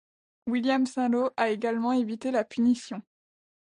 William St Loe a également évité la punition.